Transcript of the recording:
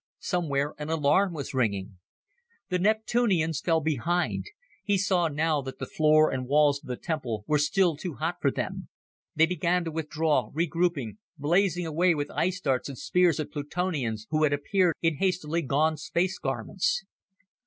Somewhere an alarm was ringing. The Neptunians fell behind; he saw now that the floor and walls of the temple were still too hot for them. They began to withdraw, regrouping, blazing away with ice darts and spears at Plutonians who had appeared in hastily donned space garments.